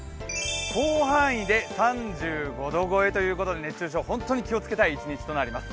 広範囲で３５度超えということで、熱中症、本当に気をつけたい一日となります。